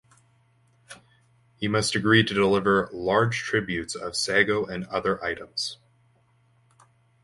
He must agree to deliver large tributes of sago and other items.